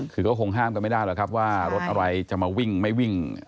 คือก็คงห้ามกันไม่ได้หรอกครับว่ารถอะไรจะมาวิ่งไม่วิ่ง